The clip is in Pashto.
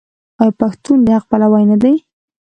آیا پښتون د حق پلوی نه دی؟